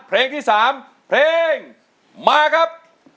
เพลงที่๓เพลงมาครับ